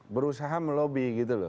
berusaha melobi gitu loh